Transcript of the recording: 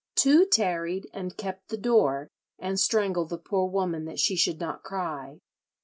Two tarried and kept the door, and strangled the poor woman that she should not cry.